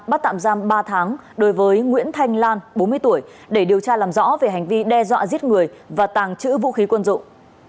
bắt tạm giam ba tháng đối với nguyễn thanh lan bốn mươi tuổi để điều tra làm rõ về hành vi đe dọa giết người và tàng trữ vũ khí quân dụng